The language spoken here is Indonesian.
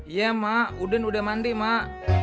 iya mak uden udah mandi mak